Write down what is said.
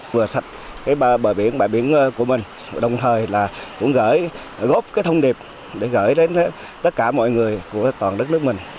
vừa sạch bờ biển bãi biển của mình đồng thời cũng góp thông điệp để gửi đến tất cả mọi người của toàn đất nước mình